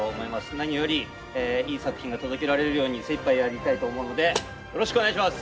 何よりいい作品が届けられるように精いっぱいやりたいと思うのでよろしくお願いします。